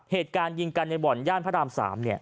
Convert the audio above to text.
เหตุการณ์ยิงกันในบ่อนย่านพระราม๓